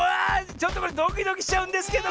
ちょっとこれドキドキしちゃうんですけど！